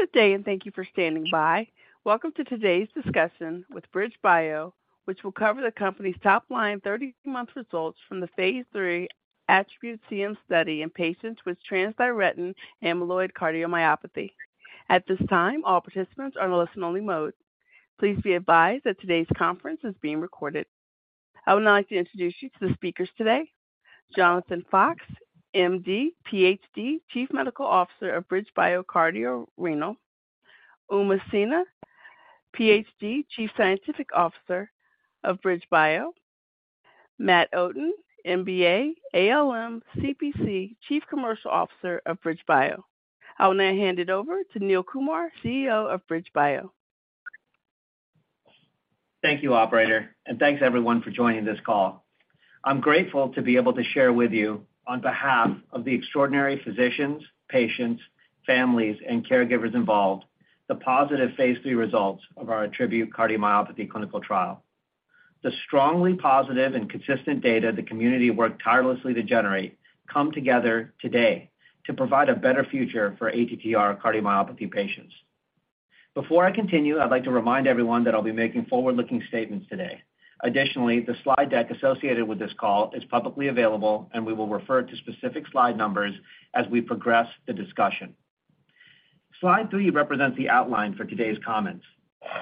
Good day, thank you for standing by. Welcome to today's discussion with BridgeBio, which will cover the company's top-line 30-month results from the phase III ATTRibute-CM study in patients with Transthyretin Amyloid Cardiomyopathy. At this time, all participants are in listen-only mode. Please be advised that today's conference is being recorded. I would now like to introduce you to the speakers today. Jonathan Fox, M.D., Ph.D., Chief Medical Officer of BridgeBio Cardio-Renal. Uma Sinha, Ph.D., Chief Scientific Officer of BridgeBio. Matt Outten, M.B.A., A.L.M., C.P.C., Chief Commercial Officer of BridgeBio. I will now hand it over to Neil Kumar, CEO of BridgeBio. Thank you, operator, and thanks everyone for joining this call. I'm grateful to be able to share with you, on behalf of the extraordinary physicians, patients, families, and caregivers involved, the positive phase III results of our ATTRibute-CM clinical trial. The strongly positive and consistent data the community worked tirelessly to generate come together today to provide a better future for ATTR cardiomyopathy patients. Before I continue, I'd like to remind everyone that I'll be making forward-looking statements today. Additionally, the slide deck associated with this call is publicly available, and we will refer to specific slide numbers as we progress the discussion. Slide three represents the outline for today's comments.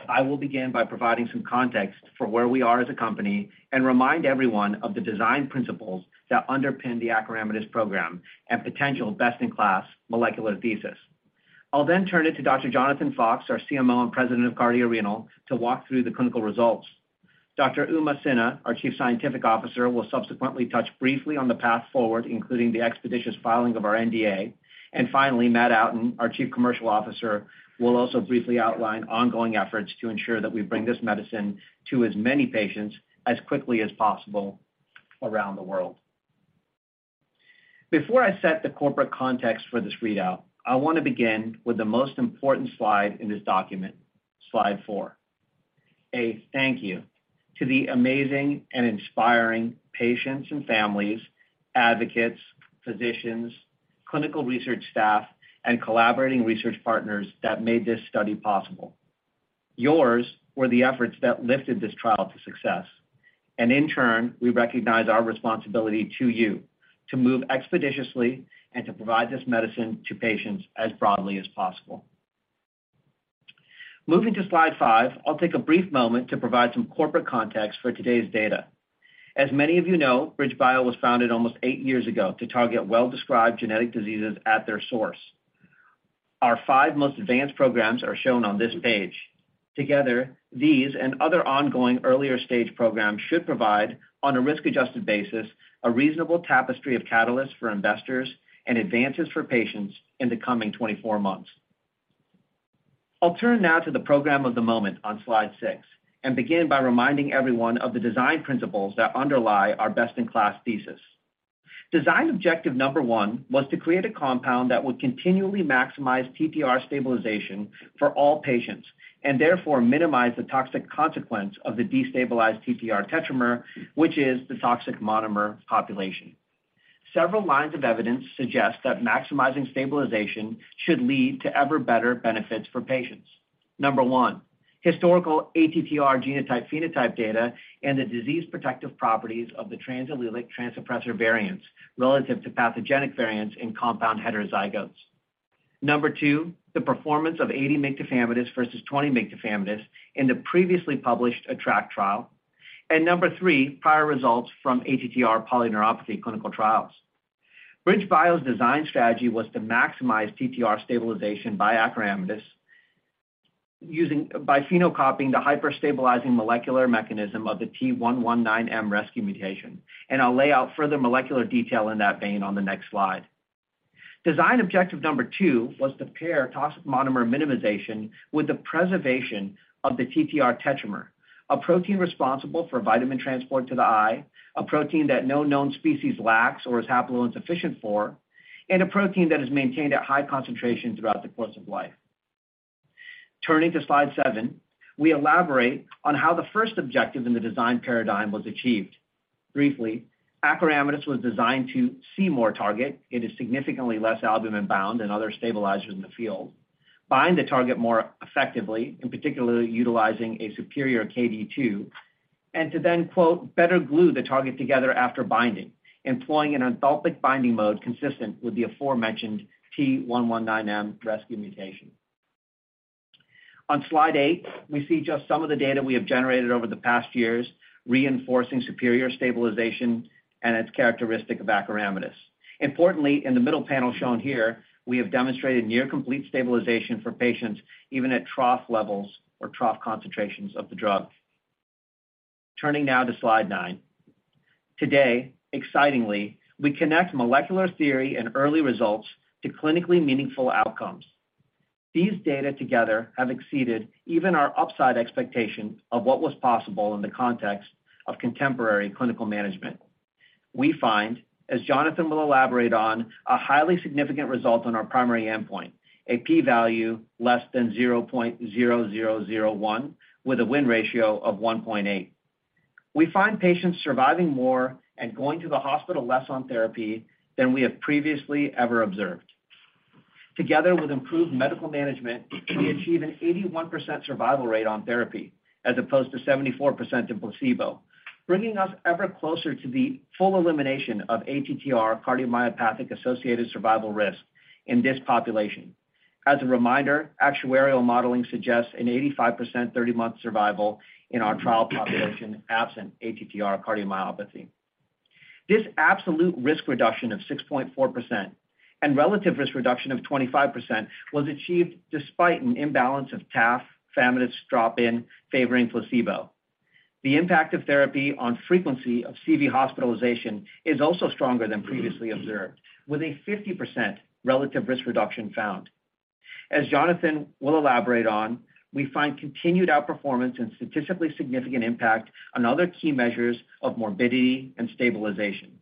I will begin by providing some context for where we are as a company and remind everyone of the design principles that underpin the acoramidis program and potential best-in-class molecular thesis. I'll then turn it to Dr. Jonathan Fox, our CMO and President of Cardio-Renal, to walk through the clinical results. Dr. Uma Sinha, our Chief Scientific Officer, will subsequently touch briefly on the path forward, including the expeditious filing of our NDA. Finally, Matt Outten, our Chief Commercial Officer, will also briefly outline ongoing efforts to ensure that we bring this medicine to as many patients as quickly as possible around the world. Before I set the corporate context for this readout, I want to begin with the most important slide in this document, slide four. A thank you to the amazing and inspiring patients and families, advocates, physicians, clinical research staff, and collaborating research partners that made this study possible. Yours were the efforts that lifted this trial to success, and in turn, we recognize our responsibility to you to move expeditiously and to provide this medicine to patients as broadly as possible. Moving to slide five, I'll take a brief moment to provide some corporate context for today's data. As many of you know, BridgeBio was founded almost eight years ago to target well-described genetic diseases at their source. Our five most advanced programs are shown on this page. Together, these and other ongoing earlier-stage programs should provide, on a risk-adjusted basis, a reasonable tapestry of catalysts for investors and advances for patients in the coming 24 months. I'll turn now to the program of the moment on slide six and begin by reminding everyone of the design principles that underlie our best-in-class thesis. Design objective number one was to create a compound that would continually maximize TTR stabilization for all patients, and therefore minimize the toxic consequence of the destabilized TTR tetramer, which is the toxic monomer population. Several lines of evidence suggest that maximizing stabilization should lead to ever better benefits for patients. Number one, historical ATTR genotype/phenotype data and the disease protective properties of the transallelic trans repressor variants relative to pathogenic variants in compound heterozygotes. Number two, the performance of 80 mg tafamidis versus 20 mg tafamidis in the previously published ATTRACT trial. Number three, prior results from ATTR polyneuropathy clinical trials. BridgeBio's design strategy was to maximize TTR stabilization by acoramidis by phenocopying the hyper-stabilizing molecular mechanism of the T119M rescue mutation, and I'll lay out further molecular detail in that vein on the next slide. Design objective two was to pair toxic monomer minimization with the preservation of the TTR tetramer, a protein responsible for vitamin transport to the eye, a protein that no known species lacks or is haploinsufficient for, and a protein that is maintained at high concentrations throughout the course of life. Turning to slide seven, we elaborate on how the 1st objective in the design paradigm was achieved. Briefly, acoramidis was designed to see more target. It is significantly less albumin-bound than other stabilizers in the field, bind the target more effectively, in particularly utilizing a superior KD2, and to then, quote, "Better glue the target together after binding," employing an enthalpic binding mode consistent with the aforementioned T119M rescue mutation. On slide eight, we see just some of the data we have generated over the past years, reinforcing superior stabilization and its characteristic of acoramidis. Importantly, in the middle panel shown here, we have demonstrated near complete stabilization for patients, even at trough levels or trough concentrations of the drug. Turning now to slide nine. Today, excitingly, we connect molecular theory and early results to clinically meaningful outcomes. These data together have exceeded even our upside expectation of what was possible in the context of contemporary clinical management. We find, as Jonathan will elaborate on, a highly significant result on our primary endpoint, a P value less than 0.0001, with a win ratio of 1.8. We find patients surviving more and going to the hospital less on therapy than we have previously ever observed. Together with improved medical management, we achieve an 81% survival rate on therapy, as opposed to 74% in placebo, bringing us ever closer to the full elimination of ATTR cardiomyopathy-associated survival risk in this population. As a reminder, actuarial modeling suggests an 85%, 30-month survival in our trial population, absent ATTR cardiomyopathy. This absolute risk reduction of 6.4% and relative risk reduction of 25% was achieved despite an imbalance of TAF, famotidine drop-in, favoring placebo. The impact of therapy on frequency of CV hospitalization is also stronger than previously observed, with a 50% relative risk reduction found. As Jonathan will elaborate on, we find continued outperformance and statistically significant impact on other key measures of morbidity and stabilization.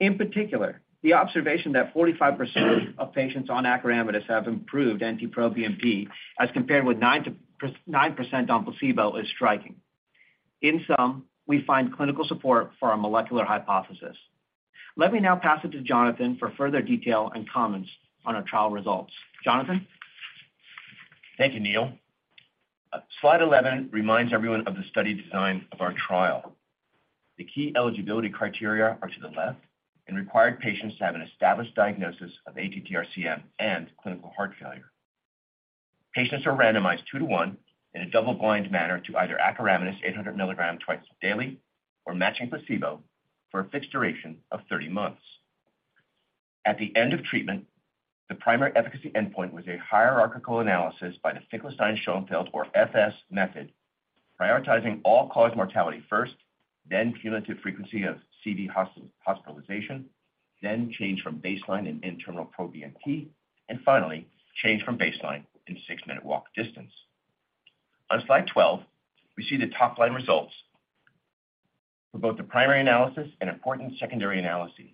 In particular, the observation that 45% of patients on acoramidis have improved NT-proBNP, as compared with 9% on placebo, is striking. In sum, we find clinical support for our molecular hypothesis. Let me now pass it to Jonathan for further detail and comments on our trial results. Jonathan? Thank you, Neil. Slide 11 reminds everyone of the study design of our trial. The key eligibility criteria are to the left and required patients to have an established diagnosis of ATTR-CM and clinical heart failure. Patients are randomized two to one in a double-blind manner to either acoramidis 800 mg twice daily or matching placebo for a fixed duration of 30 months. At the end of treatment, the primary efficacy endpoint was a hierarchical analysis by the Finkelstein-Schoenfeld, or FS, method, prioritizing all-cause mortality first, then cumulative frequency of CV hospitalization, then change from baseline in N-terminal proBNP, and finally, change from baseline in six-minute walk distance. On slide 12, we see the top-line results for both the primary analysis and important secondary analyses.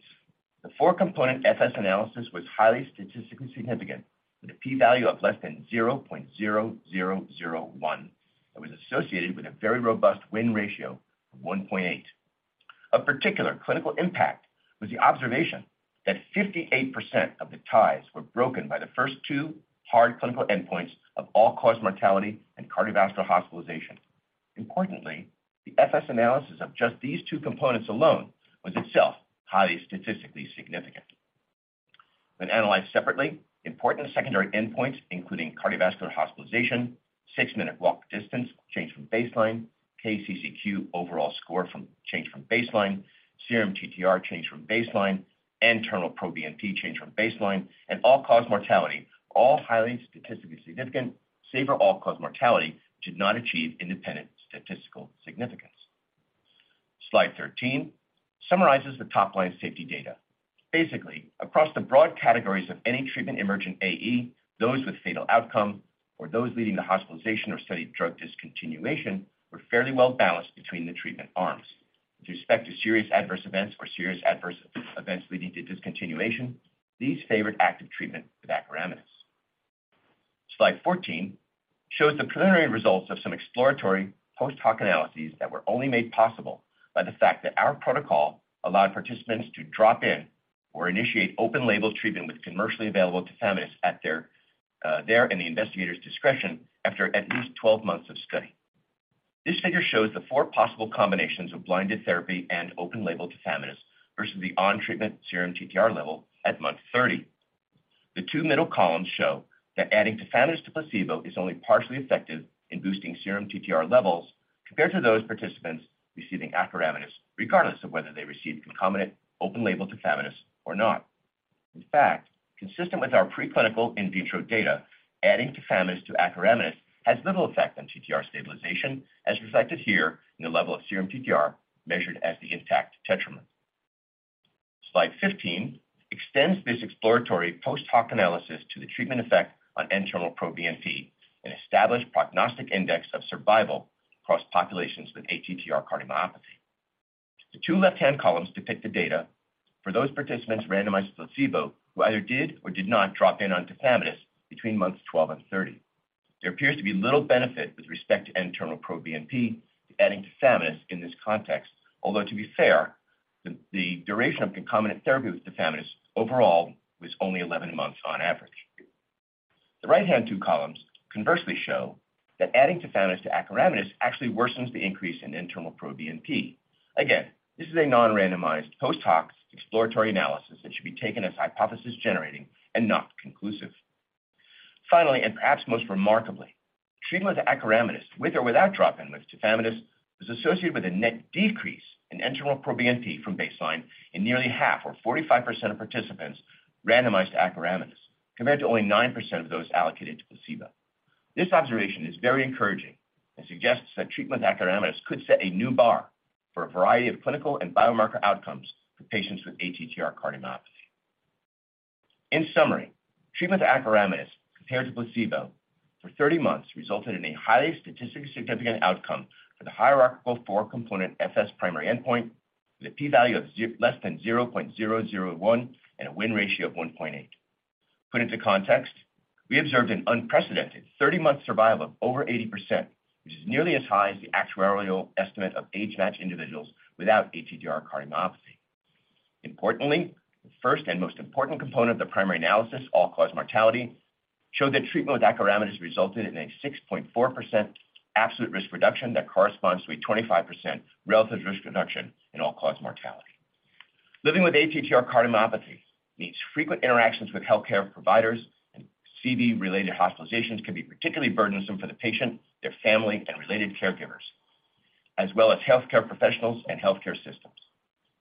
The four-component FS analysis was highly statistically significant, with a P value of less than 0.0001, and was associated with a very robust win ratio of 1.8. Of particular clinical impact was the observation that 58% of the ties were broken by the first two hard clinical endpoints of all-cause mortality and cardiovascular hospitalization. Importantly, the FS analysis of just these two components alone was itself highly statistically significant. When analyzed separately, important secondary endpoints, including cardiovascular hospitalization, six-minute walk distance, change from baseline, KCCQ overall score from change from baseline, serum TTR change from baseline, N-terminal proBNP change from baseline, and all-cause mortality, all highly statistically significant, save for all-cause mortality, did not achieve independent statistical significance. Slide 13 summarizes the top-line safety data. Across the broad categories of any treatment-emergent AE, those with fatal outcome or those leading to hospitalization or study drug discontinuation were fairly well balanced between the treatment arms. With respect to serious adverse events or serious adverse events leading to discontinuation, these favored active treatment with acoramidis. Slide 14 shows the preliminary results of some exploratory post-hoc analyses that were only made possible by the fact that our protocol allowed participants to drop in or initiate open-label treatment with commercially available tafamidis at their and the investigator's discretion after at least 12 months of study. This figure shows the four possible combinations of blinded therapy and open-label tafamidis versus the on-treatment serum TTR level at month 30. The two middle columns show that adding tafamidis to placebo is only partially effective in boosting serum TTR levels compared to those participants receiving acoramidis, regardless of whether they received concomitant open-label tafamidis or not. In fact, consistent with our preclinical in vitro data, adding tafamidis to acoramidis has little effect on TTR stabilization, as reflected here in the level of serum TTR, measured as the intact tetramer. Slide 15 extends this exploratory post-hoc analysis to the treatment effect on N-terminal proBNP, an established prognostic index of survival across populations with ATTR cardiomyopathy. The two left-hand columns depict the data for those participants randomized to placebo, who either did or did not drop in on tafamidis between months 12 and 30. There appears to be little benefit with respect to N-terminal proBNP to adding tafamidis in this context, although, to be fair, the duration of concomitant therapy with tafamidis overall was only 11 months on average. The right-hand two columns conversely show that adding tafamidis to acoramidis actually worsens the increase in N-terminal proBNP. Again, this is a non-randomized post-hoc exploratory analysis that should be taken as hypothesis-generating and not conclusive. Finally, and perhaps most remarkably, treatment with acoramidis, with or without drop-in with tafamidis, is associated with a net decrease in N-terminal proBNP from baseline in nearly half or 45% of participants randomized to acoramidis, compared to only 9% of those allocated to placebo. This observation is very encouraging and suggests that treatment with acoramidis could set a new bar for a variety of clinical and biomarker outcomes for patients with ATTR cardiomyopathy. In summary, treatment with acoramidis compared to placebo for 30 months resulted in a highly statistically significant outcome for the hierarchical four-component FS primary endpoint, with a P value of less than 0.001 and a win ratio of 1.8. Put into context, we observed an unprecedented 30-month survival of over 80%, which is nearly as high as the actuarial estimate of age-matched individuals without ATTR cardiomyopathy. Importantly, the first and most important component of the primary analysis, all-cause mortality, showed that treatment with acoramidis resulted in a 6.4% absolute risk reduction that corresponds to a 25% relative risk reduction in all-cause mortality. Living with ATTR cardiomyopathy means frequent interactions with healthcare providers, and CV-related hospitalizations can be particularly burdensome for the patient, their family, and related caregivers, as well as healthcare professionals and healthcare systems.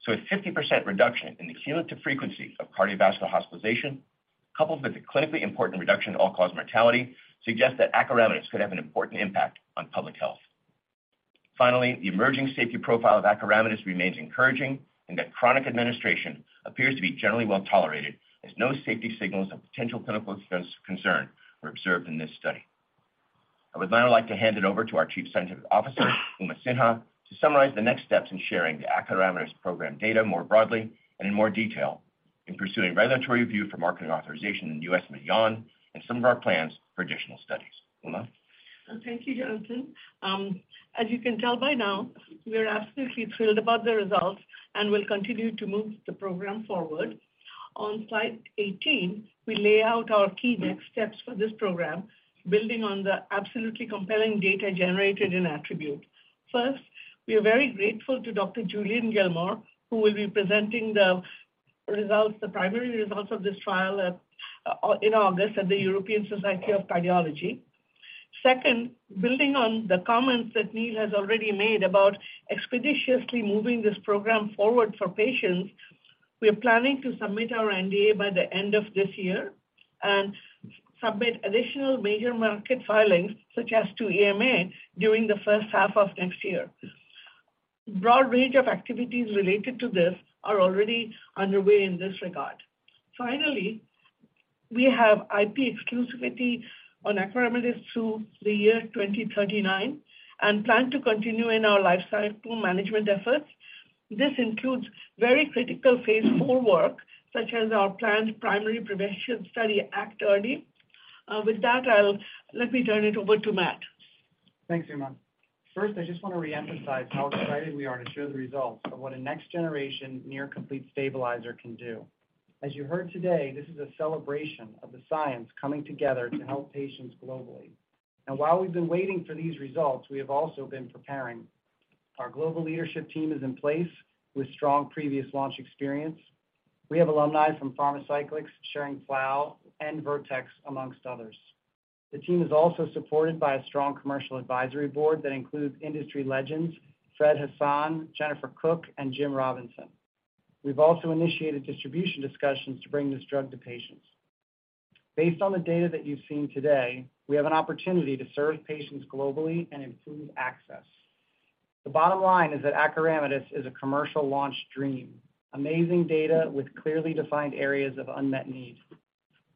A 50% reduction in the cumulative frequency of cardiovascular hospitalization, coupled with a clinically important reduction in all-cause mortality, suggests that acoramidis could have an important impact on public health. The emerging safety profile of acoramidis remains encouraging, and that chronic administration appears to be generally well tolerated, as no safety signals of potential clinical concern were observed in this study. I would now like to hand it over to our Chief Scientific Officer, Uma Sinha, to summarize the next steps in sharing the acoramidis program data more broadly and in more detail in pursuing regulatory review for marketing authorization in the US and beyond, and some of our plans for additional studies. Uma? Thank you, Jonathan. As you can tell by now, we are absolutely thrilled about the results and will continue to move the program forward. On slide 18, we lay out our key next steps for this program, building on the absolutely compelling data generated in Attribute. First, we are very grateful to Dr. Julian Gillmore, who will be presenting the results, the primary results of this trial in August at the European Society of Cardiology. Second, building on the comments that Neil has already made about expeditiously moving this program forward for patients, we are planning to submit our NDA by the end of this year and submit additional major market filings, such as to EMA, during the first half of next year. Broad range of activities related to this are already underway in this regard. Finally, we have IP exclusivity on acoramidis through the year 2039 and plan to continue in our life cycle management efforts. This includes very critical phase 4 work, such as our planned primary prevention study, ACT-EARLY. With that, let me turn it over to Matt. Thanks, Uma. First, I just want to reemphasize how excited we are to share the results of what a next-generation, near-complete stabilizer can do. While we've been waiting for these results, we have also been preparing. Our global leadership team is in place with strong previous launch experience. We have alumni from Pharmacyclics, Schering-Plough and Vertex, amongst others. The team is also supported by a strong commercial advisory board that includes industry legends Fred Hassan, Jennifer Cook, and Jim Robinson. We've also initiated distribution discussions to bring this drug to patients. Based on the data that you've seen today, we have an opportunity to serve patients globally and improve access. The bottom line is that acoramidis is a commercial launch dream, amazing data with clearly defined areas of unmet need.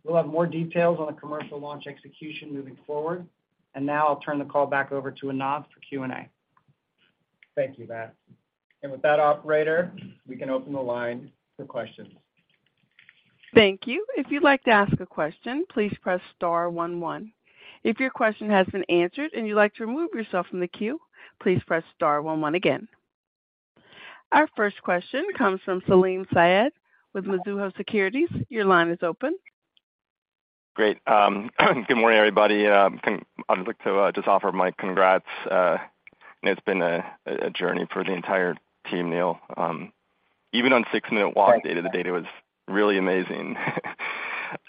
We'll have more details on the commercial launch execution moving forward. Now I'll turn the call back over to Anav for Q&A. Thank you, Matt. With that, operator, we can open the line for questions. Thank you. If you'd like to ask a question, please press star one. If your question has been answered and you'd like to remove yourself from the queue, please press star one one again. Our first question comes from Salim Syed with Mizuho Securities. Your line is open. Great. good morning, everybody. I'd like to just offer my congrats. It's been a journey for the entire team, Neil. Even on six-minute walk data, the data was really amazing.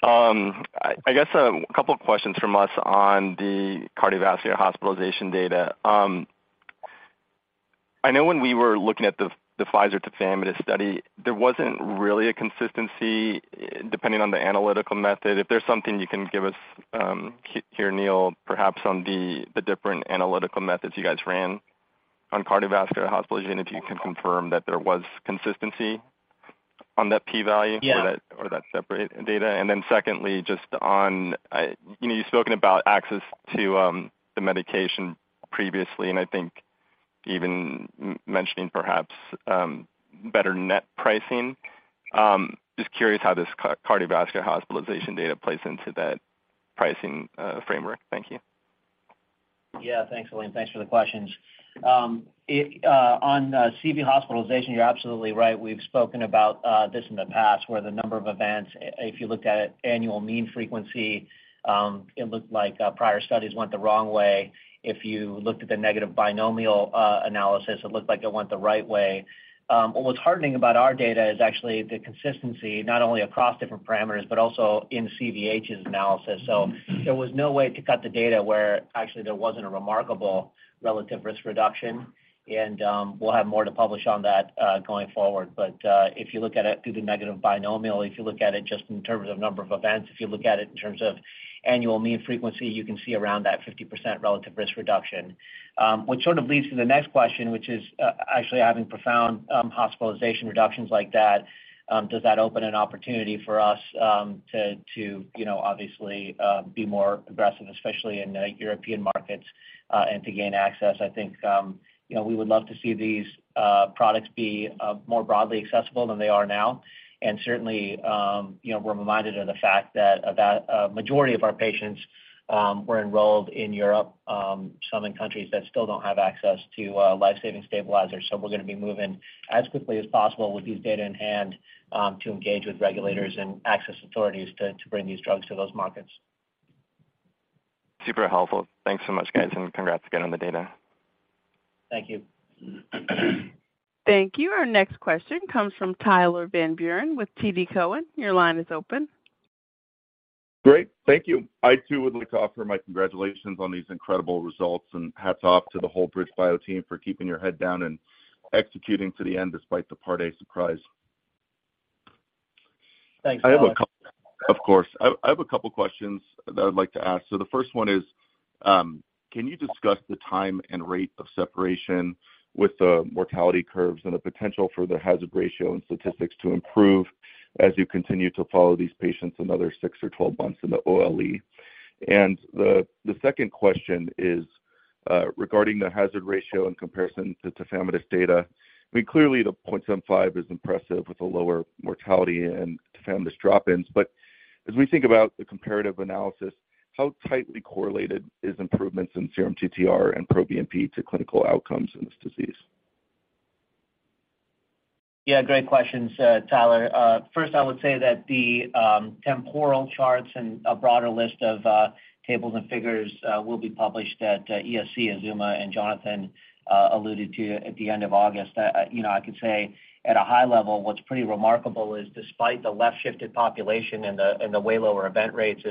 I guess, a couple of questions from us on the cardiovascular hospitalization data. I know when we were looking at the Pfizer tafamidis study, there wasn't really a consistency, depending on the analytical method. If there's something you can give us, here, Neil, perhaps on the different analytical methods you guys ran on cardiovascular hospitalization, if you can confirm that there was consistency on that P value... Yeah. -or that separate data. Secondly, just on, you know, you've spoken about access to the medication previously, and I think even mentioning perhaps, better net pricing. Just curious how this cardiovascular hospitalization data plays into that pricing framework? Thank you. Yeah, thanks, Salim. Thanks for the questions. It on CV hospitalization, you're absolutely right. We've spoken about this in the past, where the number of events, if you looked at annual mean frequency, it looked like prior studies went the wrong way. If you looked at the negative binomial analysis, it looked like it went the right way. What was heartening about our data is actually the consistency, not only across different parameters, but also in CVH's analysis. There was no way to cut the data where actually there wasn't a remarkable relative risk reduction, and we'll have more to publish on that going forward. If you look at it through the negative binomial, if you look at it just in terms of number of events, if you look at it in terms of annual mean frequency, you can see around that 50% relative risk reduction. Which sort of leads to the next question, which is, actually, having profound hospitalization reductions like that, does that open an opportunity for us, to, you know, obviously, be more aggressive, especially in European markets, and to gain access? I think, you know, we would love to see these products be more broadly accessible than they are now. Certainly, you know, we're reminded of the fact that about a majority of our patients were enrolled in Europe, some in countries that still don't have access to life-saving stabilizers. We're gonna be moving as quickly as possible with these data in hand, to engage with regulators and access authorities to bring these drugs to those markets. Super helpful. Thanks so much, guys, and congrats again on the data. Thank you. Thank you. Our next question comes from Tyler Van Buren with TD Cowen. Your line is open. Great. Thank you. I, too, would like to offer my congratulations on these incredible results, and hats off to the whole BridgeBio team for keeping your head down and executing to the end despite the Part A surprise. Thanks. I have a couple questions that I'd like to ask. The first one is: Can you discuss the time and rate of separation with the mortality curves and the potential for the hazard ratio and statistics to improve as you continue to follow these patients another 6 or 12 months in the OLE? The second question is regarding the hazard ratio in comparison to tafamidis data. I mean, clearly, the 0.75 is impressive, with a lower mortality and tafamidis drop-ins. As we think about the comparative analysis, how tightly correlated is improvements in serum TTR and proBNP to clinical outcomes in this disease? Great questions, Tyler. First, I would say that the temporal charts and a broader list of tables and figures will be published at ESC Azuma, and Jonathan alluded to at the end of August. You know, I could say at a high level, what's pretty remarkable is despite the left-shifted population and the way lower event rates,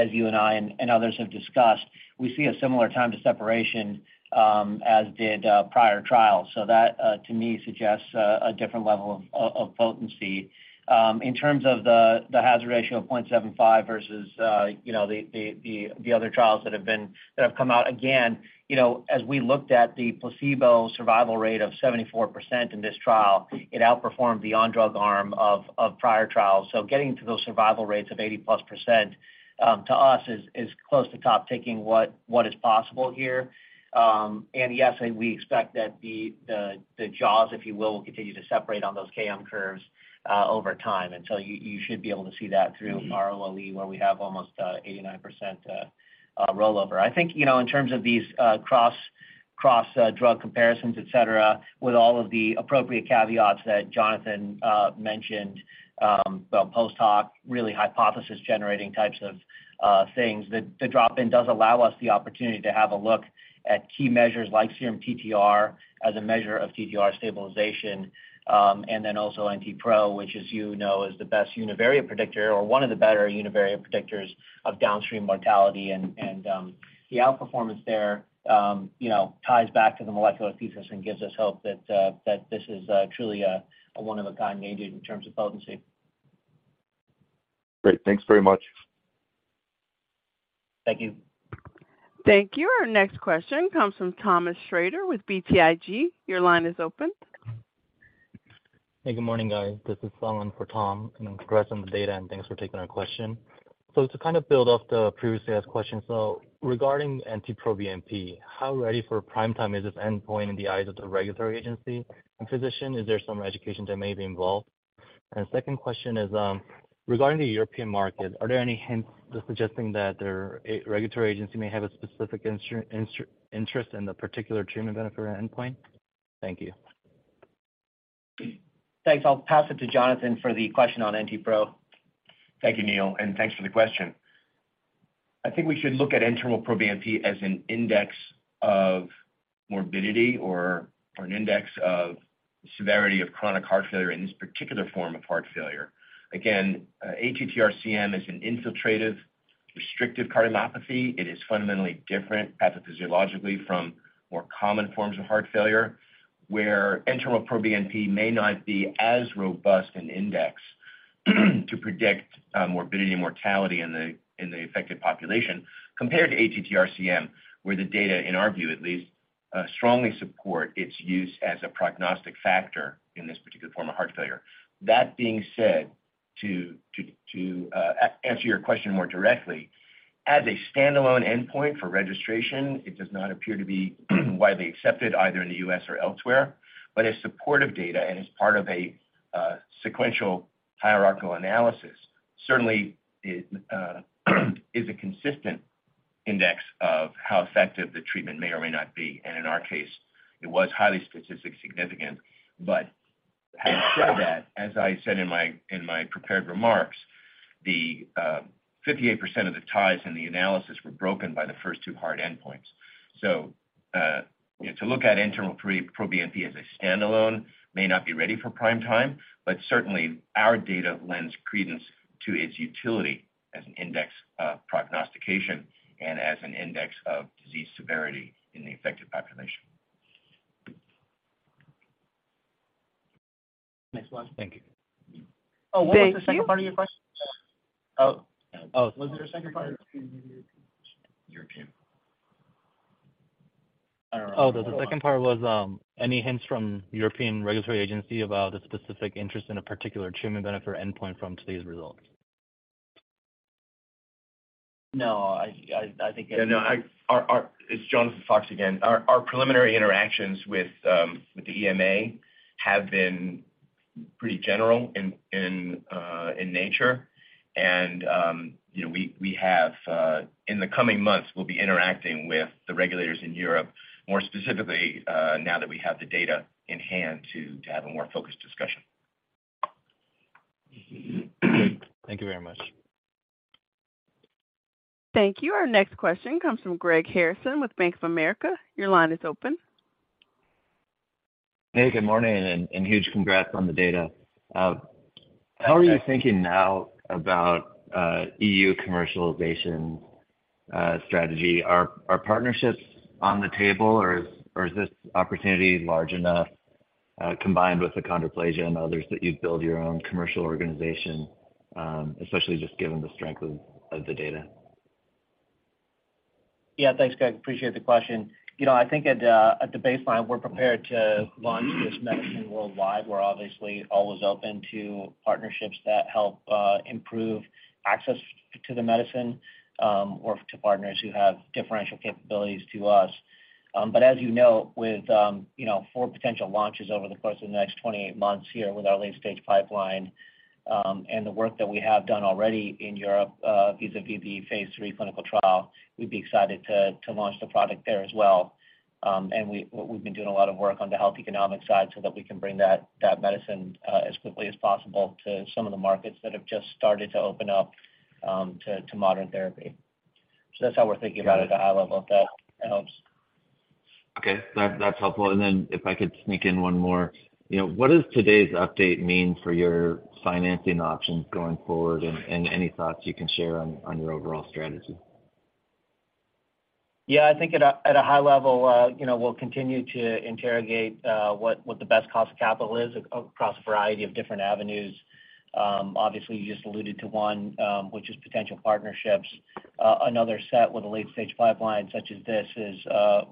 as you and I and others have discussed, we see a similar time to separation as did prior trials. That to me suggests a different level of potency. In terms of the hazard ratio of 0.75 versus, you know, the other trials that have come out, again, you know, as we looked at the placebo survival rate of 74% in this trial, it outperformed the on-drug arm of prior trials. Getting to those survival rates of 80%+, to us is close to top, taking what is possible here. Yes, we expect that the jaws, if you will continue to separate on those KM curves over time, until you should be able to see that through our OLE, where we have almost 89% rollover. I think, you know, in terms of these cross drug comparisons, et cetera, with all of the appropriate caveats that Jonathan mentioned, post hoc, really hypothesis-generating types of things, the drop-in does allow us the opportunity to have a look at key measures like serum TTR as a measure of TTR stabilization, and then also NTpro, which, as you know, is the best univariate predictor or one of the better univariate predictors of downstream mortality. The outperformance there, you know, ties back to the molecular thesis and gives us hope that this is truly a one-of-a-kind agent in terms of potency. Great. Thanks very much. Thank you. Thank you. Our next question comes from Thomas Shrader with BTIG. Your line is open. Hey, good morning, guys. This is Solomon for Tom. Congrats on the data, thanks for taking our question. To kind of build off the previously asked question, regarding NT-proBNP, how ready for prime time is this endpoint in the eyes of the regulatory agency and physician? Is there some education that may be involved? Second question is, regarding the European market, are there any hints suggesting that their regulatory agency may have a specific interest in the particular treatment benefit or endpoint? Thank you. Thanks. I'll pass it to Jonathan for the question on NTpro. Thank you, Neil, and thanks for the question. I think we should look at N-terminal proBNP as an index of morbidity or an index of severity of chronic heart failure in this particular form of heart failure. Again, ATTR-CM is an infiltrative restrictive cardiomyopathy. It is fundamentally different, pathophysiologically, from more common forms of heart failure, where N-terminal proBNP may not be as robust an index, to predict morbidity and mortality in the affected population, compared to ATTR-CM, where the data, in our view at least, strongly support its use as a prognostic factor in this particular form of heart failure. That being said, to answer your question more directly, as a standalone endpoint for registration, it does not appear to be widely accepted either in the U.S. or elsewhere, but as supportive data and as part of a sequential hierarchical analysis, certainly it is a consistent index of how effective the treatment may or may not be, and in our case, it was highly statistically significant. Having said that, as I said in my prepared remarks, the 58% of the ties in the analysis were broken by the first two hard endpoints. You know, to look at N-terminal proBNP as a standalone may not be ready for prime time, but certainly our data lends credence to its utility as an index of prognostication and as an index of disease severity in the affected population. Thanks a lot. Thank you. Thank you. Oh, what was the second part of your question? Oh. Oh, was there a second part? European. Oh, the second part was, any hints from European Regulatory Agency about a specific interest in a particular treatment benefit or endpoint from today's results? No, I. Yeah, no. It's Jonathan Fox again. Our preliminary interactions with the EMA have been pretty general in nature. You know, we'll be interacting with the regulators in Europe, more specifically, now that we have the data in hand to have a more focused discussion. Thank you very much. Thank you. Our next question comes from Greg Harrison with Bank of America. Your line is open. Hey, good morning, and huge congrats on the data. How are you thinking now about EU commercialization strategy? Are partnerships on the table, or is this opportunity large enough combined with the achondroplasia and others, that you'd build your own commercial organization, especially just given the strength of the data? Yeah, thanks, Greg. Appreciate the question. You know, I think at the baseline, we're prepared to launch this medicine worldwide. We're obviously always open to partnerships that help improve access to the medicine, or to partners who have differential capabilities to us. But as you know, with, you know, four potential launches over the course of the next 28 months here with our late-stage pipeline, and the work that we have done already in Europe, vis-à-vis the phase three clinical trial, we'd be excited to launch the product there as well. And we've been doing a lot of work on the health economic side so that we can bring that medicine, as quickly as possible to some of the markets that have just started to open up, to modern therapy. That's how we're thinking about it, the high level, if that helps. Okay, that's helpful. Then if I could sneak in one more. You know, what does today's update mean for your financing options going forward? Any thoughts you can share on your overall strategy? I think at a high level, you know, we'll continue to interrogate, what the best cost of capital is across a variety of different avenues. You just alluded to one, which is potential partnerships. Another set with a late-stage pipeline, such as this, is,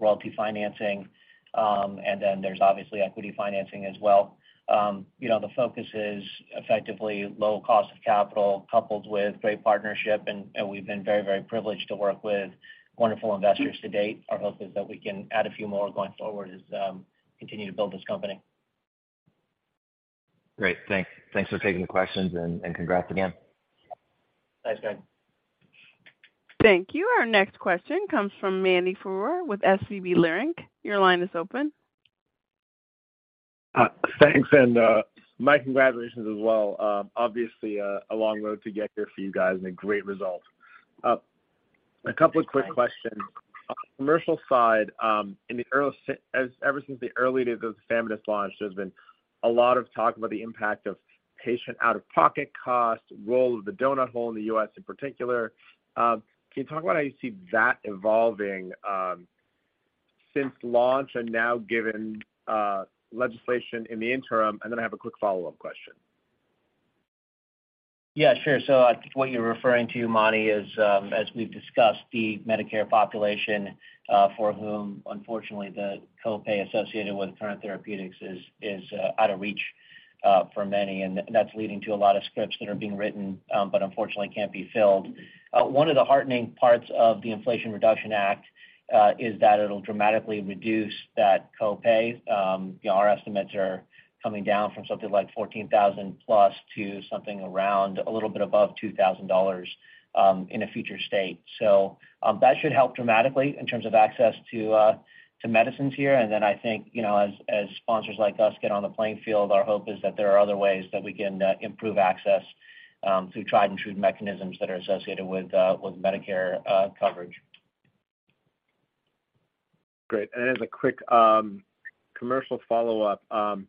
royalty financing. There's obviously equity financing as well. You know, the focus is effectively low cost of capital, coupled with great partnership, and we've been very privileged to work with wonderful investors to date. Our hope is that we can add a few more going forward as, continue to build this company. Great, thanks. Thanks for taking the questions, and congrats again. Thanks, Greg. Thank you. Our next question comes from Mani Foroohar with Leerink Partners. Your line is open. Thanks, and my congratulations as well. Obviously, a long road to get here for you guys and a great result. A couple of quick questions. Thanks. On the commercial side, ever since the early days of the tafamidis launch, there's been a lot of talk about the impact of patient out-of-pocket costs, role of the donut hole in the U.S. in particular. Can you talk about how you see that evolving, since launch and now, given legislation in the interim? I have a quick follow-up question. Yeah, sure. I think what you're referring to, Mani, is, as we've discussed, the Medicare population, for whom, unfortunately, the copay associated with current therapeutics is out of reach for many, and that's leading to a lot of scripts that are being written, but unfortunately, can't be filled. One of the heartening parts of the Inflation Reduction Act is that it'll dramatically reduce that copay. You know, our estimates are coming down from something like $14,000+ to something around a little bit above $2,000 in a future state. That should help dramatically in terms of access to medicines here, and then I think, you know, as sponsors like us get on the playing field, our hope is that there are other ways that we can improve access through tried and true mechanisms that are associated with Medicare coverage. Great. As a quick, commercial follow-up,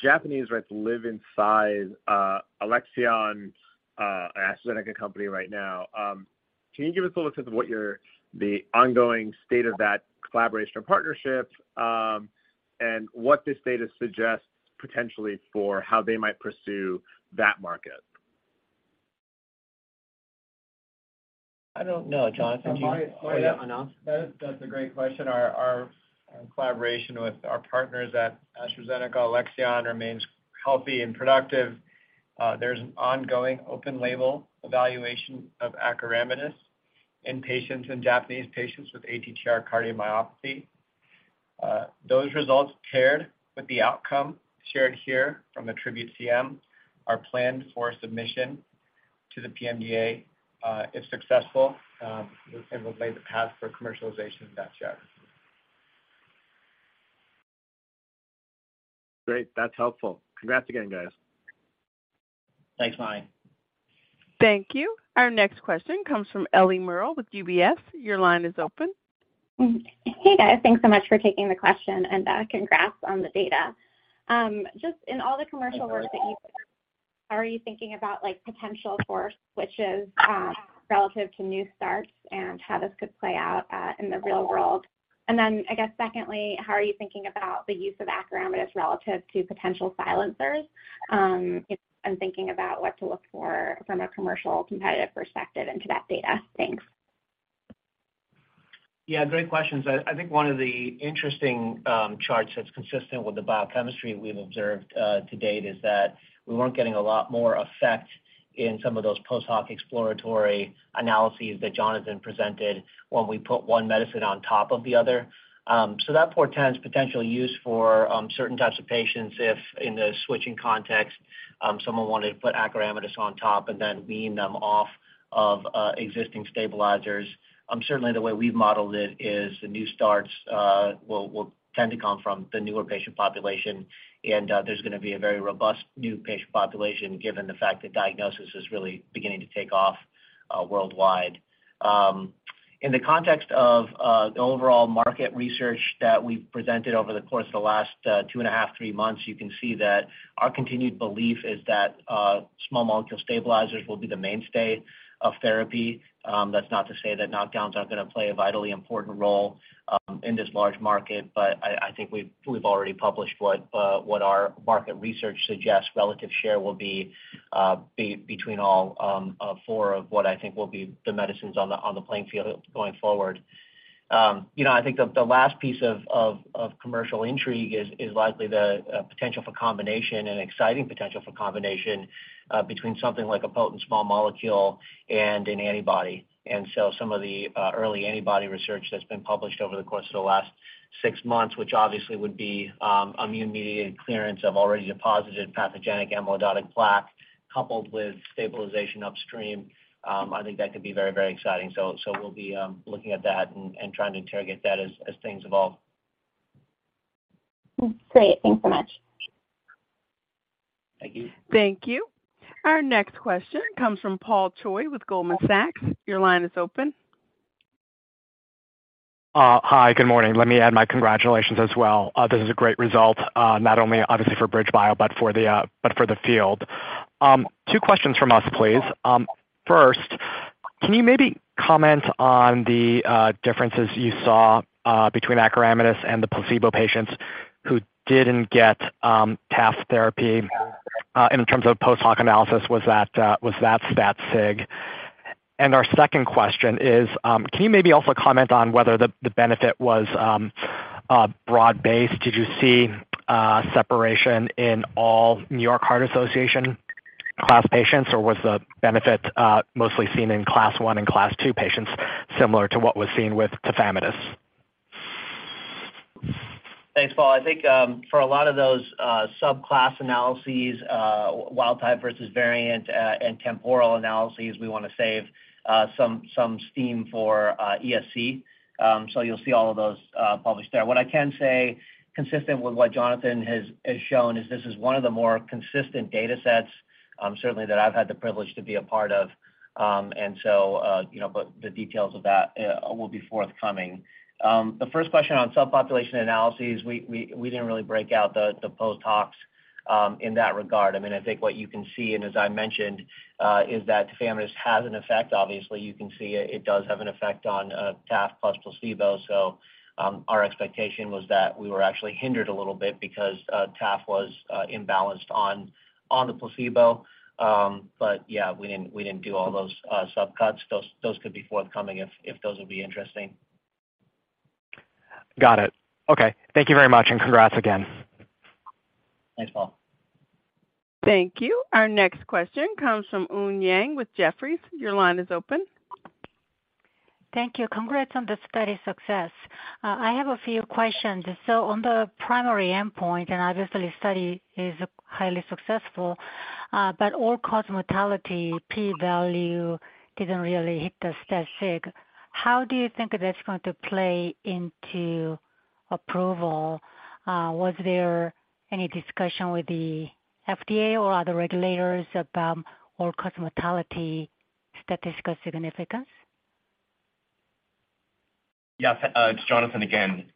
Japanese rights live inside Alexion, AstraZeneca company right now. Can you give us a little sense of what the ongoing state of that collaboration or partnership, and what this data suggests potentially for how they might pursue that market? I don't know. Jonathan, do you want to announce? That's a great question. Our collaboration with our partners at AstraZeneca, Alexion, remains healthy and productive. There's an ongoing open-label evaluation of acoramidis in patients, in Japanese patients with ATTR cardiomyopathy. Those results, paired with the outcome shared here from the ATTRibute-CM, are planned for submission to the PMDA. If successful, will lay the path for commercialization in that geography. Great, that's helpful. Congrats again, guys. Thanks, Mani. Thank you. Our next question comes from Ellie Merle with UBS. Your line is open. Hey, guys. Thanks so much for taking the question, and congrats on the data. Just in all the commercial work that you- How are you thinking about, like, potential for switches, relative to new starts and how this could play out, in the real world? I guess secondly, how are you thinking about the use of acoramidis relative to potential silencers? If I'm thinking about what to look for from a commercial competitive perspective into that data. Thanks. Yeah, great questions. I think one of the interesting charts that's consistent with the biochemistry we've observed to date is that we weren't getting a lot more effect in some of those post-hoc exploratory analyses that Jonathan presented when we put one medicine on top of the other. That portends potentially use for certain types of patients if, in the switching context, someone wanted to put acoramidis on top and then wean them off of existing stabilizers. Certainly, the way we've modeled it is the new starts will tend to come from the newer patient population, and there's gonna be a very robust new patient population, given the fact that diagnosis is really beginning to take off worldwide. In the context of the overall market research that we've presented over the course of the last two and a half, three months, you can see that our continued belief is that small molecule stabilizers will be the mainstay of therapy. That's not to say that knockdowns aren't going to play a vitally important role in this large market, but I think we've already published what our market research suggests relative share will be between all four of what I think will be the medicines on the playing field going forward. You know, I think the last piece of commercial intrigue is likely the potential for combination and exciting potential for combination between something like a potent small molecule and an antibody. Some of the early antibody research that's been published over the course of the last 6 months, which obviously would be immune-mediated clearance of already deposited pathogenic amyloidotic plaque, coupled with stabilization upstream, I think that could be very, very exciting. We'll be looking at that and trying to interrogate that as things evolve. Great. Thanks so much. Thank you. Thank you. Our next question comes from Paul Choi with Goldman Sachs. Your line is open. Hi, good morning. Let me add my congratulations as well. This is a great result, not only obviously for BridgeBio, but for the field. 2 questions from us, please. First, can you maybe comment on the differences you saw between acoramidis and the placebo patients who didn't get TAF therapy, in terms of post-hoc analysis, was that stat sig? Our second question is, can you maybe also comment on whether the benefit was broad-based? Did you see separation in all New York Heart Association class patients, or was the benefit mostly seen in Class I and Class II patients, similar to what was seen with tafamidis? Thanks, Paul. I think for a lot of those subclass analyses, wild type versus variant, and temporal analyses, we want to save some steam for ESC. You'll see all of those published there. What I can say, consistent with what Jonathan has shown, is this is one of the more consistent data sets, certainly that I've had the privilege to be a part of. You know, the details of that will be forthcoming. The first question on subpopulation analyses, we didn't really break out the post-hocs in that regard. I mean, I think what you can see, and as I mentioned, is that tafamidis has an effect. Obviously, you can see it does have an effect on TAF plus placebo. Our expectation was that we were actually hindered a little bit because TAF was imbalanced on the placebo. Yeah, we didn't do all those subcuts. Those could be forthcoming if those would be interesting. Got it. Okay. Thank you very much. Congrats again. Thanks, Paul. Thank you. Our next question comes from Eun Yang with Jefferies. Your line is open. Thank you. Congrats on the study's success. I have a few questions. On the primary endpoint, and obviously study is highly successful, but all-cause mortality p value didn't really hit the stat sig. How do you think that's going to play into approval? Was there any discussion with the FDA or other regulators about all-cause mortality statistical significance? Yes, it's Jonathan again.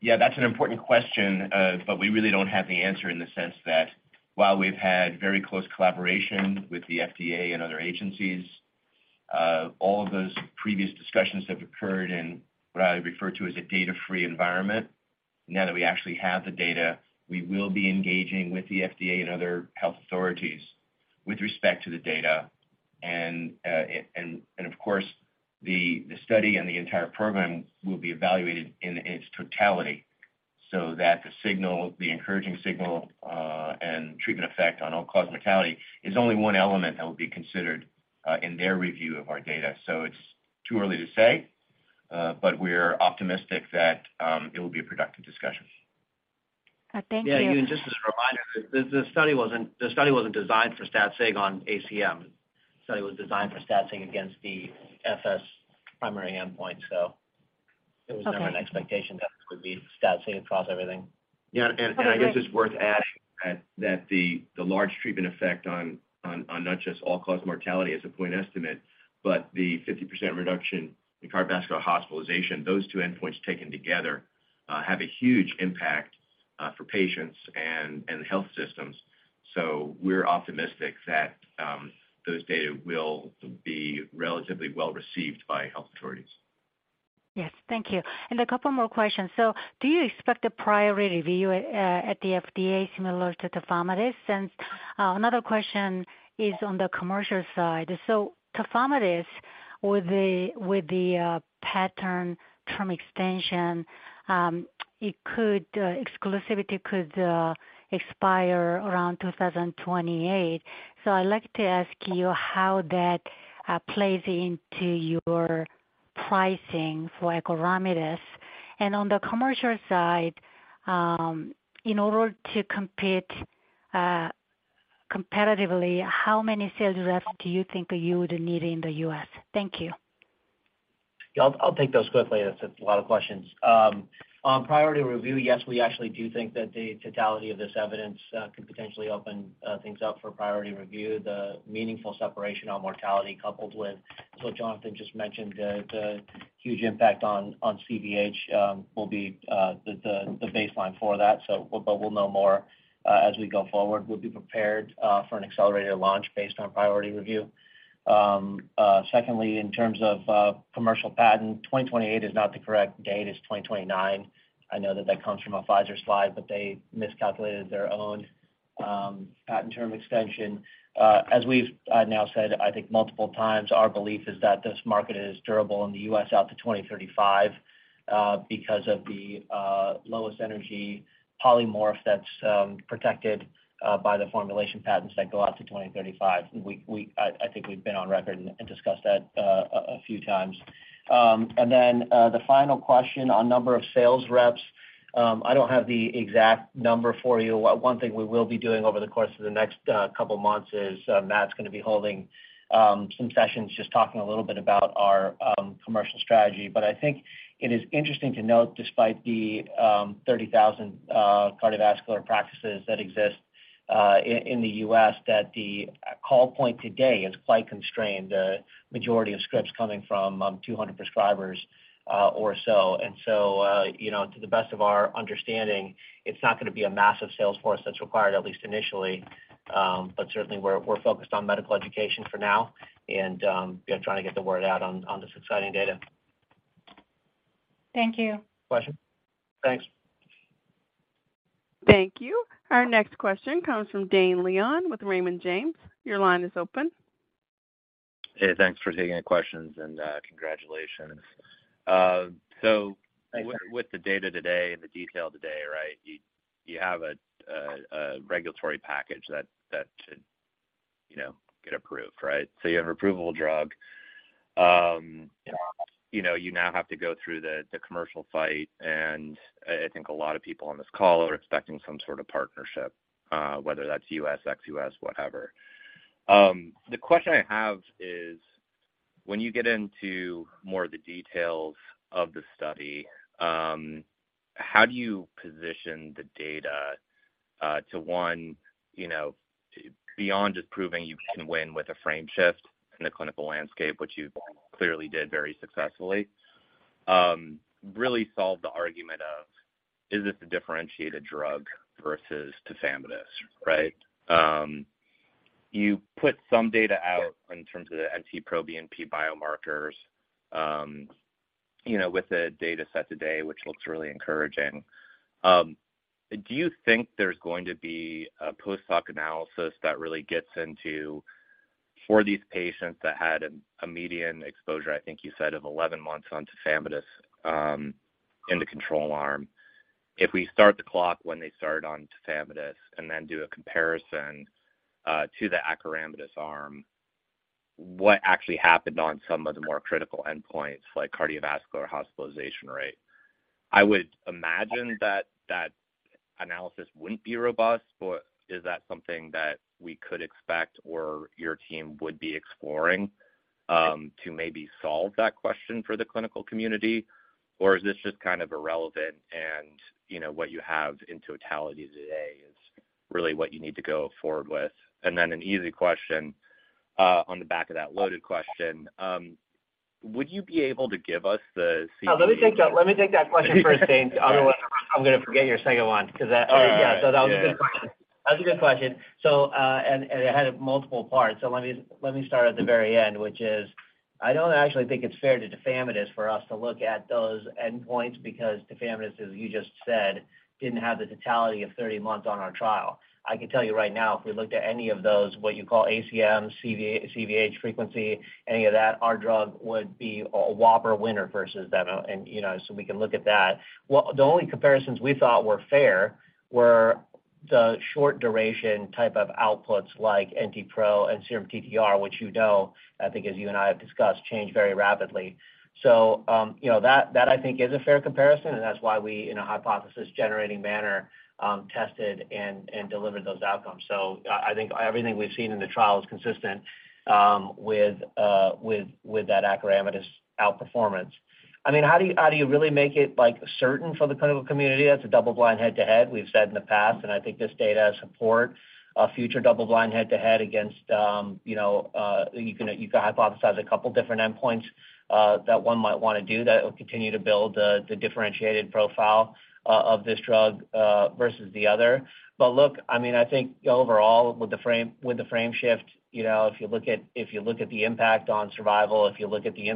Yeah, that's an important question, but we really don't have the answer in the sense that while we've had very close collaboration with the FDA and other agencies, all of those previous discussions have occurred in what I refer to as a data-free environment. Now that we actually have the data, we will be engaging with the FDA and other health authorities with respect to the data. Of course, the study and the entire program will be evaluated in its totality, so that the signal, the encouraging signal, and treatment effect on all-cause mortality is only one element that will be considered in their review of our data. It's too early to say, but we're optimistic that it will be a productive discussion. Thank you. Yeah, Eun, just as a reminder, the study wasn't designed for stat sig on ACM. The study was designed for stat sig against the FS primary endpoint. Okay. There was never an expectation that it would be stat sig across everything. Yeah. I guess it's worth adding that the large treatment effect on not just all-cause mortality as a point estimate, but the 50% reduction in cardiovascular hospitalization, those two endpoints taken together.... have a huge impact for patients and health systems. We're optimistic that those data will be relatively well received by health authorities. Yes, thank you. A couple more questions. Do you expect a priority review at the FDA similar to tafamidis? Another question is on the commercial side. Tafamidis, with the pattern term extension, exclusivity could expire around 2028. I'd like to ask you how that plays into your pricing for acoramidis. On the commercial side, in order to compete competitively, how many sales reps do you think you would need in the US? Thank you. Yeah, I'll take those quickly. That's a lot of questions. On priority review, yes, we actually do think that the totality of this evidence could potentially open things up for priority review. The meaningful separation on mortality coupled with what Jonathan just mentioned, the huge impact on CVH, will be the baseline for that. We'll know more as we go forward. We'll be prepared for an accelerated launch based on priority review. Secondly, in terms of commercial patent, 2028 is not the correct date, it's 2029. I know that that comes from a Pfizer slide, they miscalculated their own patent term extension. As we've now said, I think multiple times, our belief is that this market is durable in the US out to 2035, because of the lowest energy polymorph that's protected by the formulation patents that go out to 2035. I think we've been on record and discussed that a few times. Then, the final question on number of sales reps. I don't have the exact number for you. One thing we will be doing over the course of the next couple of months is Matt's gonna be holding some sessions just talking a little bit about our commercial strategy. I think it is interesting to note, despite the 30,000 cardiovascular practices that exist in the U.S., that the call point today is quite constrained, the majority of scripts coming from 200 prescribers or so. You know, to the best of our understanding, it's not going to be a massive sales force that's required, at least initially. But certainly, we're focused on medical education for now, and we are trying to get the word out on this exciting data. Thank you. Question. Thanks. Thank you. Our next question comes from Dane Leone with Raymond James. Your line is open. Hey, thanks for taking the questions, and congratulations. Thank you. with the data today and the detail today, right? You have a regulatory package that should, you know, get approved, right? You have an approvable drug. You know, you now have to go through the commercial fight, and I think a lot of people on this call are expecting some sort of partnership, whether that's US, ex US, whatever. The question I have is, when you get into more of the details of the study, how do you position the data, to one, you know, beyond just proving you can win with a frame shift in the clinical landscape, which you clearly did very successfully, really solve the argument of, is this a differentiated drug versus tafamidis, right? You put some data out in terms of the NT-proBNP biomarkers, you know, with the data set today, which looks really encouraging. Do you think there's going to be a post hoc analysis that really gets into for these patients that had a median exposure, I think you said, of 11 months on tafamidis in the control arm? If we start the clock when they started on tafamidis and then do a comparison to the acoramidis arm, what actually happened on some of the more critical endpoints, like cardiovascular hospitalization rate? I would imagine that that analysis wouldn't be robust, but is that something that we could expect or your team would be exploring to maybe solve that question for the clinical community? Is this just kind of irrelevant and, you know, what you have in totality today is really what you need to go forward with? An easy question on the back of that loaded question. Would you be able to give us the CV-? Let me take that question first, Dane. I'm gonna forget your second one because that. Oh, yeah, that was a good question. Yeah. That's a good question. And it had multiple parts. Let me start at the very end, which is, I don't actually think it's fair to tafamidis for us to look at those endpoints because tafamidis, as you just said, didn't have the totality of 30 months on our trial. I can tell you right now, if we looked at any of those, what you call ACM, CVH frequency, any of that, our drug would be a whopper winner versus them, and, you know, so we can look at that. Well, the only comparisons we thought were fair were the short duration type of outputs like NT-pro and serum TTR, which you know, I think as you and I have discussed, change very rapidly. You know, that I think is a fair comparison, and that's why we, in a hypothesis-generating manner, tested and delivered those outcomes. I think everything we've seen in the trial is consistent with that acoramidis outperformance. I mean, how do you really make it, like, certain for the clinical community that's a double-blind head-to-head? We've said in the past, I think this data support a future double-blind head-to-head against, you know, you can hypothesize a couple different endpoints that one might want to do that will continue to build the differentiated profile of this drug versus the other. Look, I mean, I think overall, with the frame shift, you know, if you look at the impact on survival, if you look at the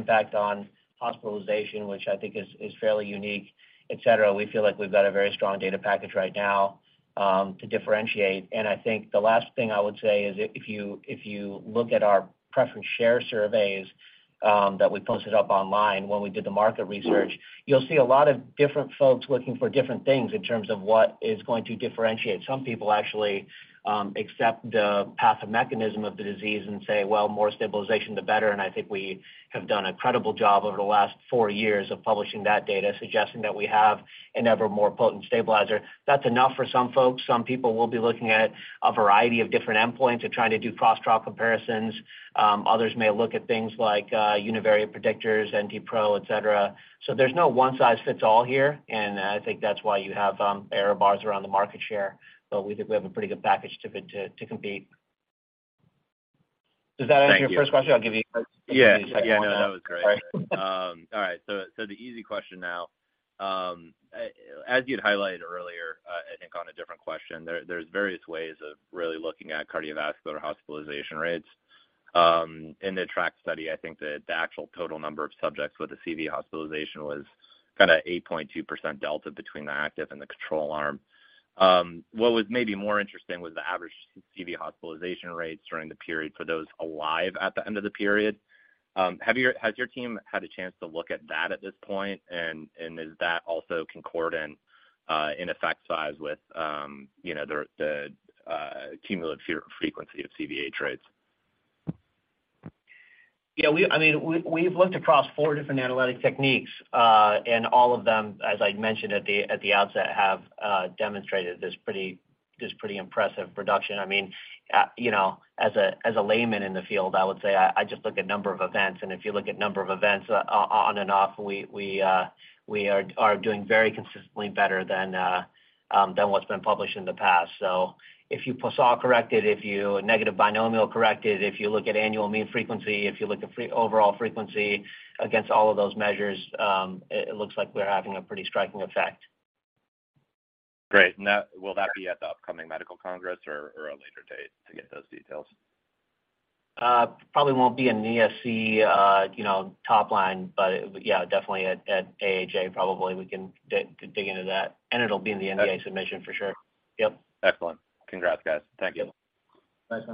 impact on hospitalization, which I think is fairly unique, et cetera, we feel like we've got a very strong data package right now, to differentiate. I think the last thing I would say is if you look at our preference share surveys that we posted up online when we did the market research, you'll see a lot of different folks looking for different things in terms of what is going to differentiate. Some people actually accept the path or mechanism of the disease and say, "Well, more stabilization, the better." I think we have done a incredible job over the last four years of publishing that data, suggesting that we have an ever more potent stabilizer. That's enough for some folks. Some people will be looking at a variety of different endpoints and trying to do cross trial comparisons. Others may look at things like univariate predictors, NT-pro, et cetera. There's no one size fits all here, and I think that's why you have error bars around the market share. We think we have a pretty good package to compete. Does that answer your first question? Thank you. I'll give you the second one, though. Yeah. No, that was great. All right. All right. The easy question now. As you'd highlighted earlier, I think on a different question, there's various ways of really looking at cardiovascular hospitalization rates. In the TRACK study, I think the actual total number of subjects with the CV hospitalization was kinda 8.2% delta between the active and the control arm. What was maybe more interesting was the average CV hospitalization rates during the period for those alive at the end of the period. Has your team had a chance to look at that at this point? Is that also concordant in effect size with, you know, the cumulative frequency of CVH events? Yeah, I mean, we've looked across four different analytic techniques, and all of them, as I'd mentioned at the outset, have demonstrated this pretty impressive reduction. I mean, you know, as a layman in the field, I would say I just look at number of events, and if you look at number of events, on and off, we are doing very consistently better than what's been published in the past. If you Poisson correct it, if you negative binomial correct it, if you look at annual mean frequency, if you look at overall frequency, against all of those measures, it looks like we're having a pretty striking effect. Great. That, will that be at the upcoming medical congress or a later date to get those details? Probably won't be in the SC, you know, top line, but, yeah, definitely at AHA, probably we can dig into that. It'll be in the NDA submission for sure. Okay. Yep. Excellent. Congrats, guys. Thank you. Thanks.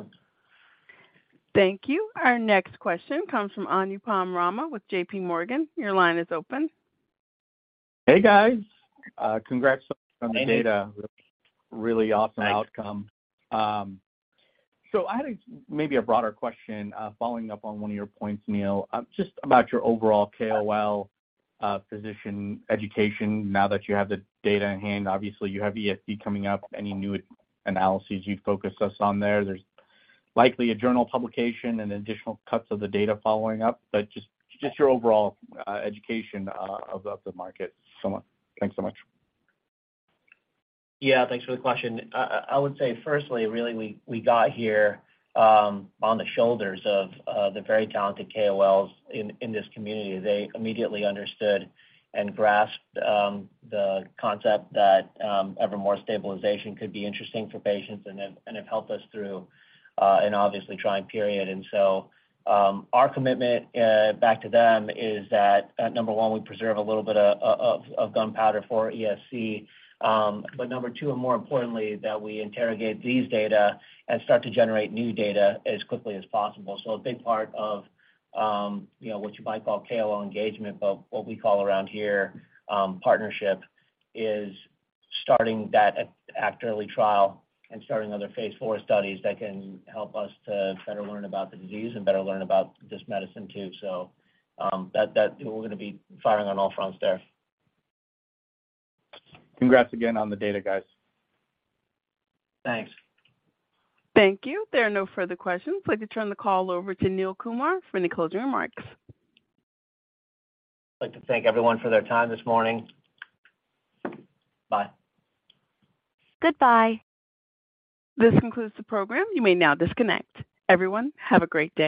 Thank you. Our next question comes from Anupam Rama with JP Morgan. Your line is open. Hey, guys. congrats on the data. Hey. Really awesome outcome. Thanks. I had a, maybe a broader question, following up on one of your points, Neil. Just about your overall KOL, physician education now that you have the data in hand. Obviously, you have ESC coming up. Any new analyses you'd focus us on there? There's likely a journal publication and additional cuts of the data following up, just your overall education about the market somewhat. Thanks so much. Yeah, thanks for the question. I would say, firstly, really, we got here on the shoulders of the very talented KOLs in this community. They immediately understood and grasped the concept that ever more stabilization could be interesting for patients and have helped us through an obviously trying period. Our commitment back to them is that, number one, we preserve a little bit of gunpowder for ESC. Number two, and more importantly, that we interrogate these data and start to generate new data as quickly as possible. A big part of, you know, what you might call KOL engagement, but what we call around here, partnership, is starting that at ACT-EARLY trial and starting other phase 4 studies that can help us to better learn about the disease and better learn about this medicine, too. We're gonna be firing on all fronts there. Congrats again on the data, guys. Thanks. Thank you. There are no further questions. Please to turn the call over to Neil Kumar for any closing remarks. I'd like to thank everyone for their time this morning. Bye. Goodbye. This concludes the program. You may now disconnect. Everyone, have a great day.